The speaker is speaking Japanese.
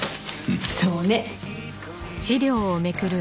そうね。